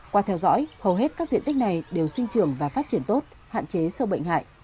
qua theo dõi hầu hết các diện tích này đều sinh trưởng và phát triển tốt hạn chế sâu bệnh hại